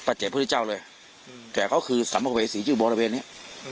ปัจจักรพุทธเจ้าเลยแต่เขาคือสัมเวศรีชื่อบรเวรเนี่ย